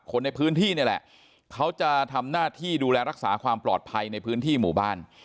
คนในพื้นที่นี่แหละเขาจะทำหน้าที่ดูแลรักษาความปลอดภัยในพื้นที่หมู่บ้าน